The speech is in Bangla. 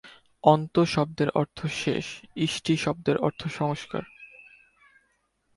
‘অন্ত’ শব্দের অর্থ শেষ, ‘ইষ্টি’ শব্দের অর্থ সংস্কার।